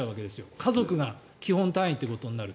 家族が基本単位ということになると。